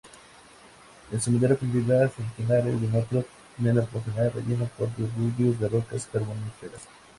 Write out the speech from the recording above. El sumidero continúa centenares de metros en profundidad, relleno por derrubios de rocas carboníferas.